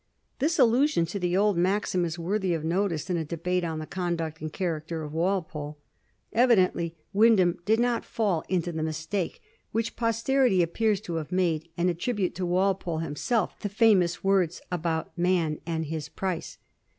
This allusion to the old maxim is worthy of notice in a debate on the conduct and character of Walpole. Evidently Wyndham did not fall into the mistake which posterity appears to have made, and attribute to Walpole himself the famous words about man and his price.